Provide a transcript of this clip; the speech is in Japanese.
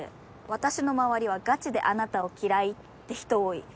私の周りはガチであなたを嫌いって人多い。